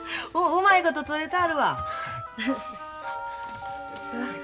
うまいこと撮れたあるわ。